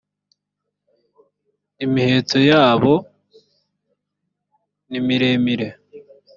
imiheto yabo nimiremire.